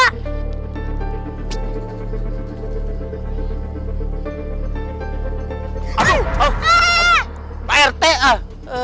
aduh oh prt ah